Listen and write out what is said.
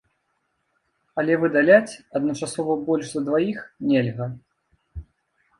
Але выдаляць адначасова больш за дваіх нельга.